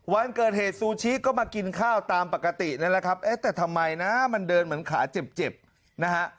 วันเกิดเหตุซูชิก็มากินข้าวตามปกตินั่นแหละครับเอ๊ะแต่ทำไมนะมันเดินเหมือนขาเจ็บนะฮะ